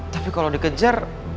tapi kalau dikejar